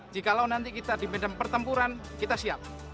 jikalau nanti kita di medan pertempuran kita siap